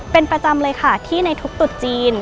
เป็นประจำเลยค่ะที่ในทุกตุดจีน